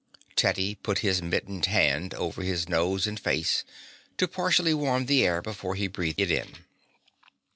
Teddy put his mittened hand over his nose and face to partially warm the air before he breathed it in.